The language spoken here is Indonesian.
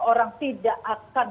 orang tidak akan